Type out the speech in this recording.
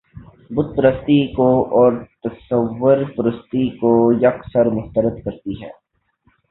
بت پرستی کو اور تصویر پرستی کو یک سر مسترد کرتی ہے